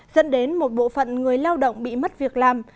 dẫn đến một bộ phận người lao động bị mất việc làm